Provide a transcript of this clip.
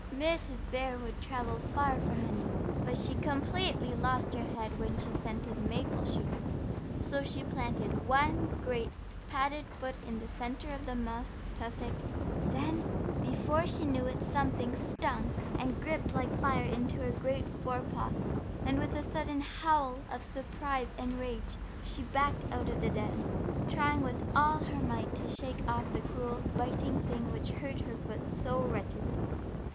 Mrs. Bear would travel far for honey, but she completely lost her head when she scented maple sugar, so she planted one great, padded foot in the center of the moss tussock, then, before she knew it, something stung and gripped like fire into her great fore paw, and with a sudden howl of surprise and rage, she backed out of the den, trying with all her might to shake off the cruel, biting thing which hurt her foot so wretchedly.